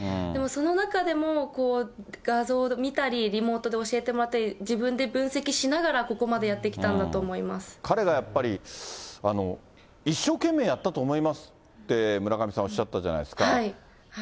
でもその中でも、画像を見たり、リモートで教えてもらったり、自分で分析しながらここまでやって彼がやっぱり、一生懸命やったと思いますって、村上さん、おっしゃったじゃないですか。